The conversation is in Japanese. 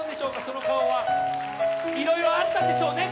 その顔はいろいろあったんでしょうね